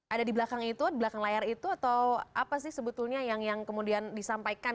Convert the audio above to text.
ada di belakang itu di belakang layar itu atau apa sih sebetulnya yang kemudian disampaikan